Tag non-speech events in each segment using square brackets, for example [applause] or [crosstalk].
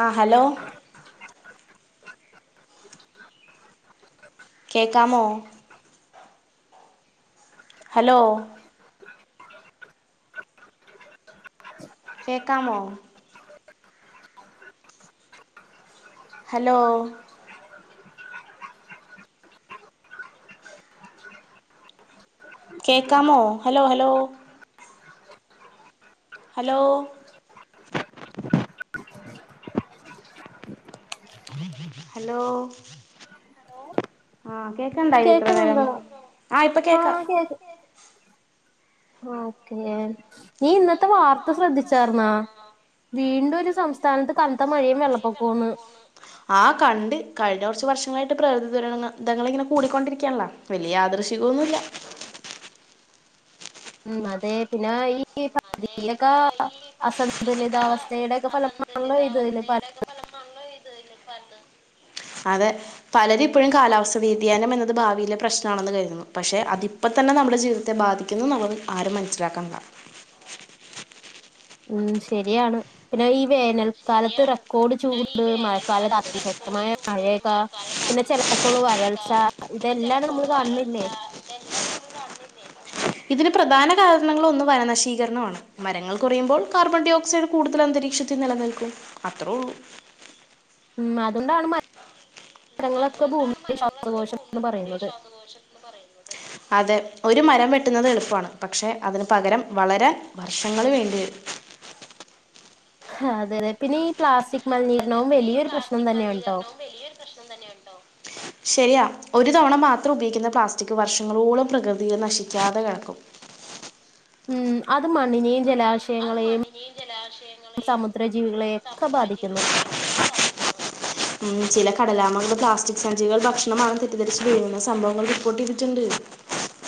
ആ ഹലോ? കേക്കാമോ? ഹലോ? കേക്കാമോ? ഹലോ? കേക്കാമോ ഹലോ ഹലോ? ഹലോ? ഹലോ ആ. കേൾക്കണ്ടായി ഇത്ര നേരം ആ ഇപ്പൊ കേക്ക. ഓക്കേ നീ ഇന്നത്തെ വാർത്ത ശ്രദ്ധിച്ചാർന്നാ വീണ്ടും സംസ്ഥാന ആ കണ്ട് കഴിഞ്ഞ കുറച്ച [unintelligible] കൂടിക്കൊണ്ടിരിക്കാനുള്ളാ വലിയ [unintelligible] ഉം അതെ പിന്നെ ഈ പതിയൊക്കെ അസന്തുലിതാവസ്ഥയുടെൊക്കെ ഫലം നല്ല അതെ പലരി ഇപ്പോഴും കാലാവസ്ഥ വതി ധ്യയാനം എന്നത് ഭാവിയിലെ പ്രശ്നമാണെന്ന് കരുതുന്നു പക്ഷേ അതിപ്പോം തന്നെ നമ്മുടെ ജീവിതത്തെ ബാധിക്കുന്നു നമ്മൾ ആരും മനസ്സി [unintelligible] ഉം ശരിയാണ് പിന്നെ ഈ വേനൽക്കാലത്ത് റെക്കോർഡ് ചൂണ്ട് മഴക്കാലത്ത് അതിശക്തി [unintelligible] പിന്നെ ചെലപ്പോള് വരൾച്ച ഇതെല്ലാം നമ്മള് കാണണില്ലേ? ഇതിന് പ്രധാന കാരണങ്ങൾ ഒന്ന് വരനശീകരണമാണ് മരങ്ങൾ കുറയുമ്പോൾ കാർബൺ ഡൈഓക്സൈഡ് കൂടുതൽ അന്തരീക്ഷം നിലനിൽക്കും അത്രേ ഉള്ളൂ. ഉം അതുകൊണ്ടാണ് ഉ അതുകൊണ്ടാണ് മരങ്ങളൊക്ക ഭൂമിയുടെ ശാതദോശംന്ന് പറയുന്നത് അത ഒരു മരം വെട്ടുന്നത് എളുപ്പമാണ് പക്ഷെ അതിന് പകരം വളരാൻ വർഷങ്ങൾ വേണ്ടി വരും [unintelligible] അതെ അതെ പിന്നെ ഈ പ്ലാസ്റ്റിക് മലിനീരണവും വലിയൊരു പ്രശ്നം തന്നെയ ഉട്ടോ ശരിയാ ഒരു തവണ മാത്രം ഉപയോഗിക്കുന്ന പ്ലാസ്റ്റിക് വർഷങ്ങളോളം പ്രകൃതിയിൽ നശിക്കാതെ കിടക്കും ഉ [unintelligible] ഉം അത് മണ്ണിനേും ജലാശയങ്ങളെയും ആശയങ്ങളെയും സമുദ്ര ജീവിത [unintelligible] ചില കടലാമകൾ പ്ലാസ്റ്റിക് സഞ്ചി കൾ ഭക്ഷണമാണ് തെറ്റിദ്ധരിച്ച് പിഴങ്ങുന്ന സംഭവങ്ങൾ റിപ്പോർട്ട് ചെയ്തിട്ടുണ്ട് ഉ [unintelligible]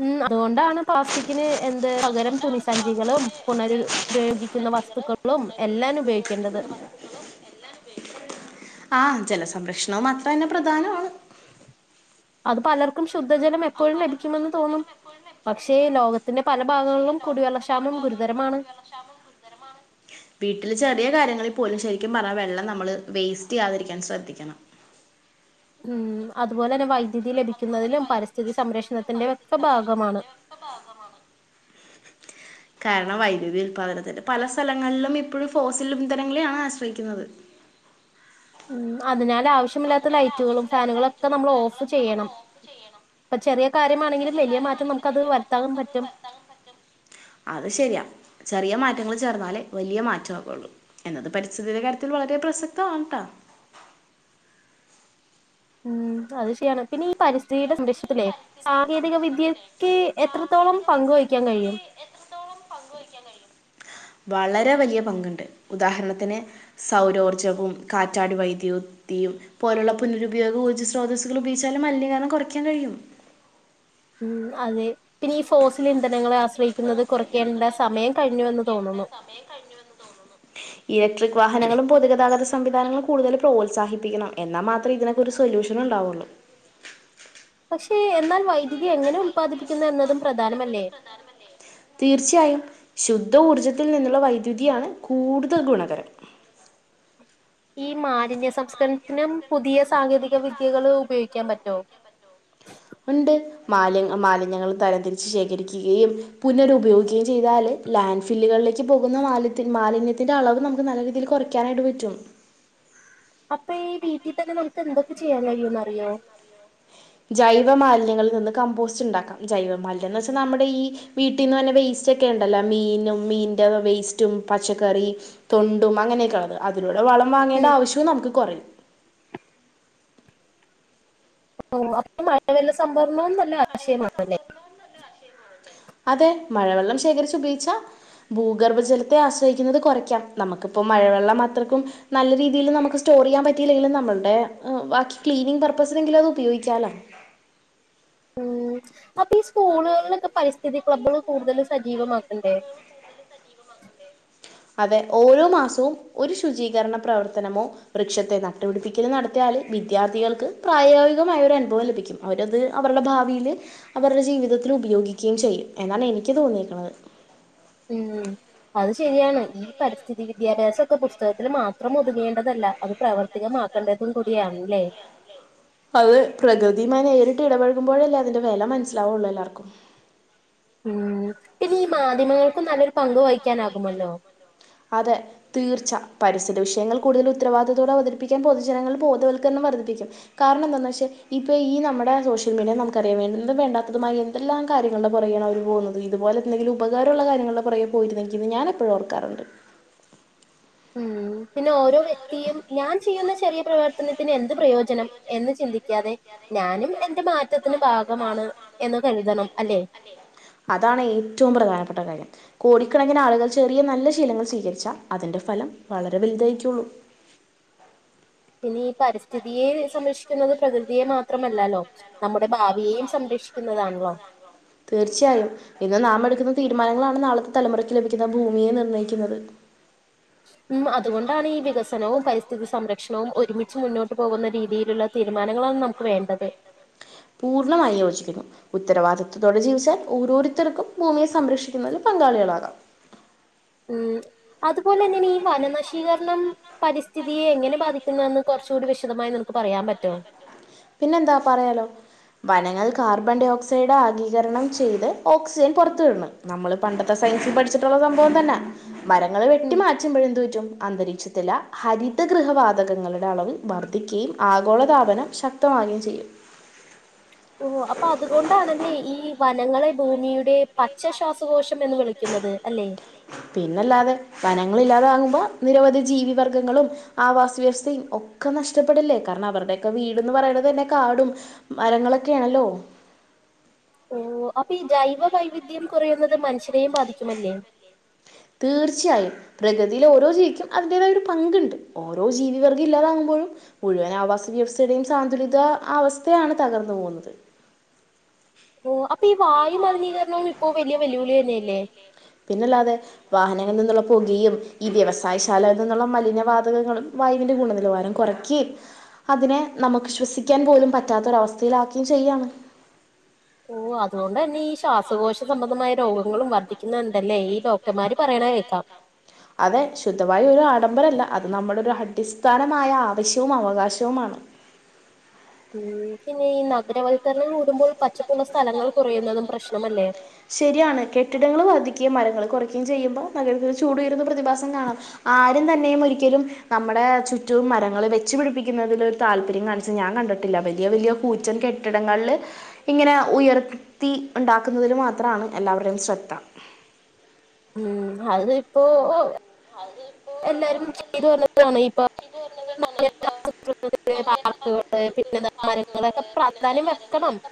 ഉം അതുകൊണ്ടാണ് പ്ലാസ്റ്റിക്കിന് എന്ത് പകരം തുണിസഞ്ചികളും പുനരുപയോഗിക്കുന്ന വസ്തുക്കളും എല്ലാനും ഉപയോഗിക്കേണ്ടത് [unintelligible] ആഹ ജലസംരക്ഷണവും അത്ര തന്നെ പ്രധാനമാണ് അത് പലർക്കും ശുദ്ധജലം എപ്പോഴും ലഭിക്കുമെന്ന് തോന്നും പക്ഷേ ലോകത്തിന്റെ പല ഭാഗങ്ങളിലും കുടിവെള്ളക്ഷാമം ഗുരുതരമാണ് ഗുരുതരമാണ് വീട്ടിൽ ചെറിയ കാര്യങ്ങളിൽ പോലും ശെരിക്കും പറഞ്ഞാ വെള്ളം നമ്മള് വേസ്റ്റെയ്യാതിരിക്കാൻ ശ്രദ്ധിക്കണം ഉം അതുപോലെന്നെ വൈദ്യുതി ലഭിക്കുന്നതിലും പരിസ്ഥിതി സംരക്ഷണ ന്റെ വെക്കെ ഭാഗമാണ് കാരണം വൈദ്യതി ഉല്പാദനത്തിന്റെ പല സ്ഥലങ്ങളിലും ഇപ്പഴും ഫോസ്സിൽ ഇന്തനങ്ങളെയാണ് ആശ്രയിക്കുന്നത് [inaudible] ഉം അതിനാൽ അതിനാലാവശ്യമില്ലാത്ത ലൈറ്റുകളും കാര്യങ്ങളൊക്കെ നമ്മള് ഓഫ് ചെയ്യണം ഇപ്പ ചെറിയ കാര്യമാണെങ്കിലും വെല്യ മാറ്റം നമുക്കത് വെരുത്താനും പറ്റും അത് ശെരിയാ ചെറിയ മാ റ്റങ്ങൾ ചേർന്നാലേ വലിയ മാറ്റാവൊള്ളൂ എന്നത് പരിസ്ഥിതിയുടെ കാര്യത്തിൽ വളരെ പ്രസക്തമാണ് ട്ടോ [inaudible] ഉം അത് ശ്യാണ് പിന്നെ ഈ പരിസ്ഥിതിയുടെ സം [unintelligible] സാങ്കേതിക വിദ്യക്ക് എത്രത്തോളം പങ്ക് വഹിക്കാൻ കഴിയും ങ്ക് വെക്കാൻ കഴിയും വളരെ വലിയ പങ്ക്ണ്ട് ഉദാഹരണത്തിന് സൗരോർജവും കാറ്റാടി വൈദ്യുതി യും പോലുള്ള പുനരുപയോഗ ഊർജ സ്രോതസുകൾ ഉപയോഗിച്ചാലും മലിനീകരണം കൊറക്കാൻ കഴിയും ഉം അതെ പിന്നെ ഈ ഫോസിൽ ഇന്ധനങ്ങളെ ആശ്രയിക്കുന്നത് കൊറയ്ക്കേണ്ട സമയം ഇലട്രിക് വാഹനങ്ങള് പൊതു ഗതാഗത സംവിധാനങ്ങൾ കൂടുതൽ പ്രോത്സാഹിപ്പിക്കണം, എന്നാ മാത്രേ ഇതിനൊക്കെ ഒരു സൊല്യൂഷനുണ്ടാവുള്ളു. പക്ഷേ എന്നാൽ വൈദ്യുതി എങ്ങനെ ഉൽപാദിപ്പിക്കുന്നു എന്നതും പ്രധാനമല്ലേ? തീർച്ചയായും ശുദ്ധ ഊർജത്തിൽ നിന്നുള്ള വൈദ്യുതിയാണ് കൂടുതൽ ഗുണകരം. ഈ മാലിന്യ സംസ്കരണത്തിനും പുതിയ സാങ്കേതിക വിദ്യകൾ ഉപയോഗിക്കാൻ പറ്റോ? മാലിന് മാലിന്യങ്ങൾ തരംതിരിച്ച് ശേഖരിക്കുകയും പുനരുപയോഗിക്കുകയും ചെയ്താൽ ലാൻഡ് ഫില്ലുകളിൽ ച്ച് പോകുന്ന മാലിത്യ മാലിന്യത്തിന്റെ അളവ് നമ്മക്ക് നല്ല രീതിയിൽ കുറയ്ക്കാനായിട്ട് പറ്റും അപ്പൊ ഈ വീട്ടി തന്നെ നമ്മക്ക് എന്തൊക്കെ ചെയ്യാൻ കഴിയൂന്ന് അറിയോ ജൈവമാാലിന്യങ്ങളിൽ നിന്ന് കമ്പോസ്റ്റ് ഇണ്ടാക്കാം, ജൈവമാലിന്യം എന്ന് വെച്ചാ നമ്മടെ ഈ വീട്ടീന്ന് വന്ന വേയ്സ് ച്ചെക്കെ ഇണ്ടല്ലോ മീനും മീൻന്റെ വൈസ്റ്റും പച്ചക്കറി തൊണ്ടും അങ്ങനെക്കെള്ളത് അതും [unintelligible] വളം വാങ്ങേണ്ട ആവശ്യവും നമ്മക്ക് കുറയും. ഓഹ് അപ്പൊ മഴ വെള്ള സംഭരണവും നല്ല ആശയമാണല്ലേ? അതെ മഴവെള്ളം ശേഖരിച്ച് ഉപയോഗിച്ചാ ഭൂഗർഭജലത്തെ ആശ്രയിക്കുന്നത് കൊറയ്ക്കാം നമ്മക്കിപ്പോ മഴവെള്ളം അത്രക്കും നല്ല രീതിൽ നമക്ക് സ്റ്റോർ ചെയ്യാൻ പറ്റീല്ലെങ്കിലും നമ്മൾടെ ആഹ് ക്ലീനിംഗ് പർ പ്പസിനെങ്കിലും അത് ഉപയോഗിക്കാലോ ഉം അപ്പൊ ഈ സ്കൂളുകളിലൊക്കെ പരിസ്ഥിതി ക്ലബ്ബുകൾ കൂടുതൽ സജീവമാക്കണ്ടേ? സജീവമാക്കണ്ടേ? അതെ ഓരോ മാസവും ഒരു ശുചീകരണ പ്രവർത്തനമോ വൃക്ഷ തൈ നട്ടുപിടിപ്പിക്കല് നടത്തിയാ അൽ വിദ്യാർത്ഥികൾക്ക് പ്രായോഗികമായ ഒരനുഭവം ലഭിക്കും, അവരത് അവരുടെ ഭാവീല് അവരുടെ ജീവിത തത്തിൽ ഉപയോഗിക്കുകയും ചെയ്യും എന്നാണ് എനിക്ക് തോന്നിയേക്കണത്. ഉം അത് ശരിയാണ് ഈ പരിസ്ഥിതി വിദ്യാഭ്യാസൊക്കെ പുസ്തകത്തിൽ മാത്രം ഒതുങ്ങേണ്ടതല്ലേ. ല്ലാ അത് പ്രവർത്തികമാക്കേണ്ടതും കൂടിയാണ്ല്ലേ അല്ലേ അത് പ്രകൃതിയുമായി നേരിട്ട് ഇടപഴകുമ്പോഴല്ലേ അതിൻ്റെ വെല മനസ്സിലാവുള്ളൂ എല്ലാർക്കും. ഉം പിന്നെ ഈ മാധ്യമങ്ങൾക്കും നല്ലൊരു പങ്ക് വഹിക്കാനാകുമല്ലോ. അതെ തീർച്ച പരിസ്ഥിതി വിഷയങ്ങൾ കൂടുതൽ ഉത്തരവാദിത്തോട് അവതരിപ്പിക്കാൻ പൊതുജനങ്ങളിൽ ബോധവൽക്കരണം വർദ്ധിപ്പിക്കും കാരണം എന്താന്ന് വെച്ചാ ഇപ്പ ഈ നമ്മുടെ സോഷ്യൽ മീഡിയ നമുക്കറിയാം വേണ്ടാത്തതുമായി എന്തെല്ലാം കാര്യങ്ങൾടെ പുറകെയാണ് അവര് പോന്നത് ഇത്പോലെ എന്തെങ്കിലും ഉപകാരമുള്ള കാര്യങ്ങൾട പോയിരുന്നെങ്കി ഞാൻ എപ്പോഴും ഓർക്കാറുണ്ട് ഉം പിന്നെ ഓരോ വ്യക്തിയും ഞാൻ ചെയ്യുന്ന ചെറിയ പ്രവർത്തനത്തിന് എന്ത് പ്രയോജനം എന്ന് ചിന്തിക്കാതെ ഞാനും എന്റെ മാറ്റത്തിന് ഭാഗമാണ് എന്ന് കരുതണം അല്ലെ അതാണ് ഏറ്റവും പ്രധാനപ്പെട്ട കാര്യം കോടിക്കിണക്കിന് ആളുകൾ ചെറിയ നല്ല ശീലങ്ങൾ സ്വീകരിച്ചാ അതിന്റെ ഫലം വളരെ വലുതായിരിക്കുള്ളൂ ഇനി ഈ പരിസ്ഥിതിയെ സംരക്ഷിക്ക ുന്നത് പ്രകൃതിയെ മാത്രമല്ലല്ലോ നമ്മുടെ ഭാവിയേും സംരക്ഷിക്കുന്നതാണല്ലോ തീർച്ചയായും ഇന്ന് നാാം എടുക്കുന്ന തീരുമാനങ്ങളാണ് നാളത്തെ തലമുറക്ക് ലഭിക്കുന്ന ഭൂമിയെ നിർണയിക്കുന്നത് [inaudible] ഉം അതുകൊണ്ടാണ് ഈ വികസനവും പരിസ്ഥിതി സംരക്ഷണവും ഒരുമിച്ച് മുന്നോട്ട് പോകുന്ന രീതിയിലുള്ള തീരുമാനങ്ങളാണ് നമുക്ക് വേണ്ടത് പൂർണമായി യോജിക്കുന്നു ഉത്തരവാദിത്തവത്തോടെ ജീവിച്ചാൽ ഓരോരുത്തർക്കും ഭൂമിയെ സംരക്ഷിക്കുന്നതി പറ തളികളകാം ഉ അതുപോലെ തന്നെ ഈ വനന വിശീകരണം പരിസ്ഥിതിയെ എങ്ങനെ ബാധിക്കുന്നതന്ന് കുറച്ച കൂടി വിശദമായി നിനക്ക് പറയാൻ പറ്റോ പിന്നെന്താ പറയാലോ വനങ്ങൾ കാർബൺ ഡൈ ഓക്സൈഡ് ആകീകരണം ചെയ്ത് ഓക്സിജൻ പുറത്തുവിടണം നമ്മള് പണ്ടത്തെ ഫയസിൽ പഠിച്ചിട്ടുള്ള സംഭവം തന്നെ മരങ്ങള്ൾ വെട്ടി മാറ്റുമ്പഴ എന് പറ്റും അന്തരീ ഹരിതഗൃഹവാാതകങ്ങളുടെ അളവിൽ വർദ്ധിക്കുകയും ആഗോളതാപനം ശക് ശക്തമായും ചെയ്യും ഓ അപ്പൊ അതുകൊണ്ടാണെല്ലേ ഈ വനങ്ങളെ ഭൂമിയുടെ പച്ച ശ്വാസകോശം എന്ന് വിളിക്കുന്നത് അല്ലേ മ്മ ഇല്ലാതാകുമ്പോൾ നിരവധി ജീവി വർഗങ്ങളും ആവാസ വ്യവസ്ഥയും ഒക്കെ നഷ്ടപ്പെടില്ലേ കാരണം അവരുടെ ൊക്കെ വീട്ന്ന് പറയത് തന്നെ കാടും മരങ്ങളൊക്കെയാണല്ലോ ഓ അപ്പൊ ഈ ജൈവവൈവിധ്യം കുറയുന്നത് മനുഷ്യനെയും ബാധിക്കുമല്ലേ തീർച്ചയായും പ്രകൃതിയിൽ ഓരോ ജീവിക്കും അതിന്റേതായ ഒരു പങ്കുണ്ട് ഓരോ ജീവി വർഗം ഇല്ലാതാകുമ്പോൾ ഴ മുഴുവൻ ആവാസ വ്യവസ്ഥയുടെയും സാന്തുലിത അവസ്ഥയാണ് തകർന്നു പോകുന്നത് ഓ അപ്പൊ ഈ വായുുമലിനീകരണവും ഇപ്പൊ വലിയ വെല്ലുവിളി തന്നെയല്ലേ പിന്നെല്ലാതെ വാഹനങ്ങളിൽ നിന്നുള്ള പുകയും ഈ വ്യവസായ ശാലകൽ നിന്നുള്ള മലിന വാതകങ്ങളും വായുവിൻ്ന്റെ ഗുണനിലവാരം കുറയ്ക്ക അതിനെ നമുക്ക് ശ്വസിക്കാൻ പോലും പറ്റാത്തൊരവസ്ഥയിലാക്കുകയും ചെയ്യാണ് ഓ അതുകൊണ്ട് തന്നെ ഈ ശ്വാസകോശബന്ധ രോഗധിക്കല്ലേ ഈ ഡോക്ടർമാര് പറയ കേക്കാം ശുദ്ധവ ഒരു ആഡംബരമല്ല അത് നമ്മുടെ ഒരു അടിസ്ഥാനമായ ആവശ്യവും അവകാശവുമാണ് ഉം പിന്നെ ഈ നഗരവൽക്കരണം കൂടുമ്പോൾ [inaudible] സ്ഥലങ്ങൾ കുറയുന്നതും പ്രശ്നമല്ലേ, ശരിയാണ് കെട്ടിടങ്ങൾ വർധിക്കയും മരങ്ങൾ കൊറ ചെയുമ്പോ നല്ല രീതിയിൽ ചൂട് വരുന്ന പ്രതിഭാസം കാണാം ആരും തന്നെയും ഒരിക്കലും നമ്മുടെ ചുറ്റും മരങ്ങള് വെച്ചുപിടിപ്പിക്കുന്നതില് ഒരു താല്പര്യം കാണിച്ചത് ഞാൻ കണ്ടിട്ടില്ല വലിയ വലിയ കൂച്ചൻ കെട്ടിടങ്ങളില് ഇങ്ങനെ ഉയർത്തി ഉണ്ടാക്കുന്നതില് മാത്രമാണ് എല്ലാവരുടെയും ശ്രദ്ധ ഉം അതിപ്പോ അതിപ്പോ എല്ലാരും ഇത് [unintelligible] ഇപ്പ [unintelligible] ഒക്കെ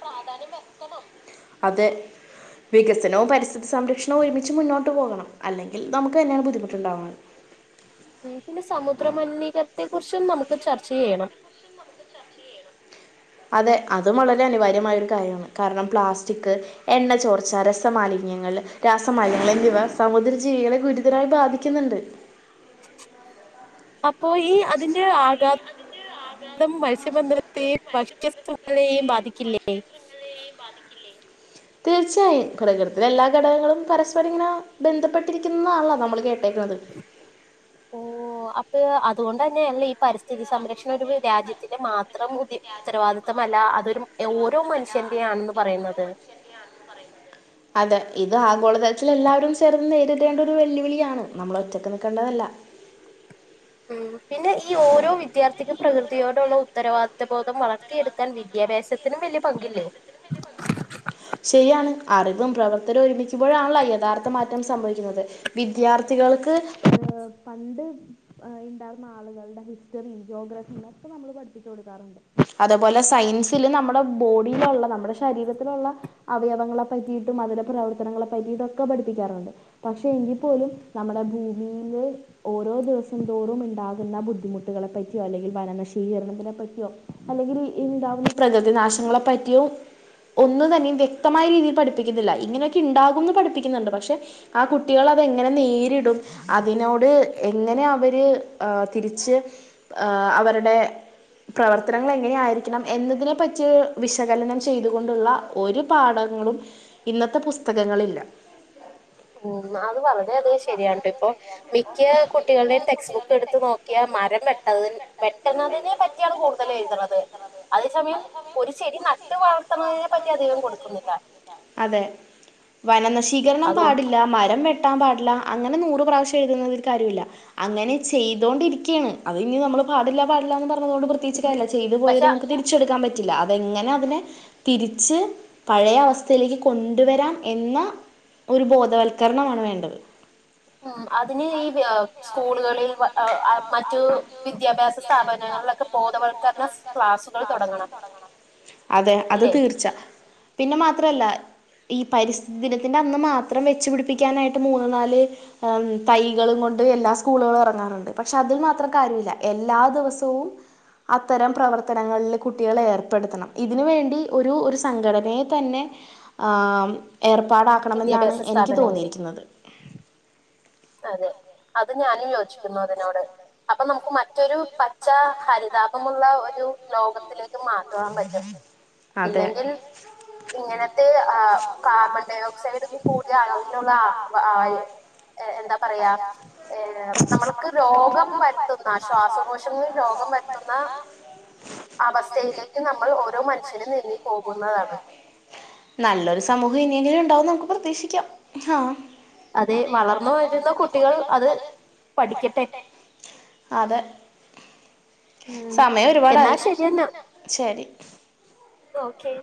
പ്രാധാന്യം വെക്കണം അതെ വികസനവും പരിസ്ഥിതി സംരക്ഷണവും ഒരുമിച്ച് മുന്നോട്ട് പോകണം അല്ലെങ്കിൽ നമുക്ക് തന്നെയാണ് ബുദ്ധിമു ണ്ടാവും ഉ പിന്നെ സമുദ്ര മലിനീകരത്തെ കുറിച്ചും നമുക്ക് ചർച്ച ചെയ്യണം ചർച്ച ചെയ്യണം അതെ അതും വളരെ അനിവാര്യമായ ഒരു കാര്യാണ്. കാരണം പ്ലാസ്റ്റിക്, എണ്ണച്ചോർച്ച, രസമാലി കുഞ്ഞ്ങ്ങള് രാസമാലിന്യങ്ങൾ എന്നിവ സമുദ്ര ജീവികളെ ഗുരുതരായി ബാധിക്കുന്നുണ്ട്. അപ്പൊ ഈ അതിന്റെ ആഘാ തം മത്സ്യബന്ധനം [unintelligible] ബാധിക്കില്ലേ തീർച്ചയായും പ്രകടത്തിലെ എല്ലാ തീർച്ചയായും [unintelligible] ഘടകങ്ങളും പരസ്പരം ഇങ്ങനെ ബന്ധപ്പെട്ടിരിക്കുന്നതാണല്ലോ നമ്മൾ കേട്ട ഓ അപ്പൊ അതുകൊണ്ടതന്നെയല്ലേ ഈ പരിസ്ഥിതി സംരക്ഷ [unintelligible] രാജ്യത്തിന്റെ മാത്രം ഉത്തരവാദിത്തവംമല്ല അതൊരു ഓരോ മനുഷ്യന്റെ ആണെന്ന് പറയുന്നത് അതെ അതെ ഇത് ആ ഗോളതലത്തിൽ എല്ലാവരും ചേർന്ന് നേരിടേണ്ട ഒരു വെല്ലുവിളിയാണ് നമ്മൾ ഒറ്റക്ക് നിക്കേണ്ടതല്ല ഉം പിന്നെ ഈ ഓരോ വിദ്യാർത്ഥിക്കും പ്രകൃതി തിയോടുള്ള ഉത്തരവാദിത്വബോധം വളർത്തിയെടുക്കാൻ വിദ്യാഭ്യാസത്തിനും വലിയ പങ്കില്ലേ അറിവും പ്രവർത്തരവും ഒരുമിക്കുമ്പോഴാണല്ലോ യഥാർത്ഥ മാറ്റം സംഭവിക്കുന്നത് വിദ്യാർത്ഥികൾക്ക് ഉം പണ്ട് ഉം ഇണ്ടാർന്ന ആളുകളുടെ ഹിസ്റ്ററി, ജോഗ്ര [inaudible] പഠിപ്പിച്ചു കൊടുക്കാറുണ്ട്, അതുപോലെ സയൻസിൽ നമ്മുടെ ബോഡിയിലുള്ള നമ്മുടെ ശരീര ത്തിലുള്ള അവയവങ്ങളെ പറ്റിയിട്ടും അതിടെ അവയവങ്ങളെ പറ്റിയിട്ടും അതിലെ പ്രവർത്തനങ്ങളെ പറ്റിയിട്ടും ഒക്കെ പഠിപ്പിക്കാറുണ്ട് പക്ഷെ എങ്കിൽ പോലും നമ്മ ഭൂമീന്ന് ഓരോ ദിവസം തോറും ഉണ്ടാകുന്ന ബുദ്ധിമുട്ടുകളെ പറ്റി അല്ലെങ്കിൽ വനനശീ [inaudible] പറ്റിയോ അല്ലെങ്കില് ഇണ്ടാവുന്ന പ്രകൃതി നാശങ്ങളെ പറ്റിയോ ഒന്ന് തന്നെ വ്യ വ്യക്തമായ രീതിയിൽ പഠിപ്പിക്കുന്നില്ല വ്യക്തമായ രീതിയിൽ പഠിപ്പിക്കുന്നില്ല. ഇങ്ങനെയൊക്കെ ഉണ്ടാകുന്നു പഠിപ്പിക്കുന്നുണ്ട് പക്ഷെ ആ കുട്ടികൾ അതെങ്ങനെ നേരിടും അതിനോട് എങ്ങനെ അവര് ഏ തിരിച്ച് ആ അവരുടെ പ്രവർത്തനങ്ങൾ എങ്ങനെയായിരിക്കണം എന്നതിനെ പറ്റി വിശകലനം ചെയ്തുകൊണ്ടുള്ള ഒരു പാഠങ്ങളും ഇന്നത്തെ പുസ്തകങ്ങളില്ല ഉം അത് വളരെ അധിക ശരിയാണ്ട്ട്ടോ ഇപ്പൊ മിക്ക കുട്ടികളുടേയും ടെക്സ്റ്റ് ബുക്ക് എടുത്ത് നോക്കിയാൽ മരം വെട്ടതിൻ വെട്ടുന്നതിനെ പറ്റിയാണ് കൂടുതൽ എഴുതത് അതേ സമയം ഒരു ശരി നട്ടു വളർത്തണതിനെ പറ്റി അധികം കൊടുക്കുന്നില്ല അതെ വനനശീകരണം പാടില്ല മരം വെട്ടാൻ പാടില്ല അങ്ങനെ നൂറ് പ്രാവശ്യം എഴുതുന്ന കാര്യല്ല. അങ്ങനെ ചെയ്തോണ്ടിരിക്കയാണ് അത് ഇനി നമ്മൾ പാടില്ല പടില്ല എന്നുപറ അതോട് പ്രത്യകിച്ച് കാര്യല്ല. ചെയ്തു പോയത് നമക്ക് തിറിച്ചെടുക്കാൻ പറ്റ് പറ്റില്ല. അതെങ്ങനെ അതിനെ തിരിച്ച് പഴയ അവസ്ഥയിലേക്ക് കൊണ്ടുവരാം എന്ന ഒരു ബോധവൽക്കരണമാണ് വേണ്ടത് ആ അതിന് ഈ പി ഓം സ്കൂളുകളിൽ ഓ മറ്റു വിദ്യാഭ്യാസ സ്ഥാപനങ്ങളിലൊക്കെ പോ ബോധവൽകരണ ക്ലാസുകൾ തുടങ്ങണം. അതെ അത് തീർച്ച പിന്നെ മാത്രല്ല ഈ പരിസ്ഥിതി ദിനത്തിന്റെ അന്ന് മാത്രം വെച്ചുപിടിപ്പിക്കാനായിട്ട് മൂന്ന് നാല് തൈകളും കൊണ്ട് എല്ലാ സ്കൂളുകളും ഇറങ്ങാറുണ്ട്. പക്ഷെ അതിൽ മാത്രം കാര്യമില്ല എല്ലാ ദിവസവും അത്തരം പ്രവർത്തനങ്ങളിൽ കുട്ടികള ഏർപ്പെടുത്തണം. ഇതിനു വേണ്ടി ഒരു ഒരു സംഘടനയെ തന്നെ ആ ഏർപ്പാടാക്കണമെന്നാണ് എനിക്ക് തോന്നിയിരിക്കുന്നത്. അതെ അത് ഞാനും യോജിക്കുന്നു അതിനോട്. അപ്പൊ നമുക്ക് മ മറ്റൊരു പച്ച ഹരിതാപമുള്ള ഒരു ലോകത്തിലേക്ക് മാറ്റുവാൻ പറ്റും ഇല്ലെങ്കിൽ ഇങ്ങനെ ത്തെ അ കാർബൺഡയോക്സൈഡ് കൂടിയ അളവിനുള്ള അ ആയ് എ എന്താ പറയാ നമ്മൾക്ക് രോഗം വരുത്തുന്ന ശ്വാസകോശങ്ങിൽ രോഗം വ രുത്തുന്ന അവസ്ഥയിലേക്ക് നമ്മൾ ഓരോ മനുഷ്യരും നീങ്ങി പോകുന്ന അവസ്‌ഥ. നല്ലൊരു സമൂഹം ഇനിയെങ്കിലും ഉണ്ടാവൂന്ന് നമുക്ക് പ്രതീക്ഷിക്കാം. ഹാ അതെ വളർന്നു വരുന്ന കുട്ടികൾ അത് പഠിക്കട്ടെ. അതെ. സമയം ഒരുപാടായി ശരി. ഓക്കെ.